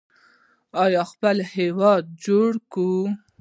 آیا خپل هیواد جوړ کړو؟